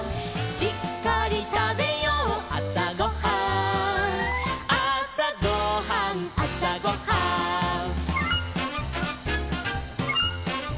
「しっかりたべようあさごはん」「あさごはんあさごはん」